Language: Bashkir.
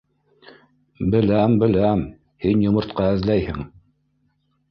—Беләм, беләм, һин йомортҡа эҙләйһең!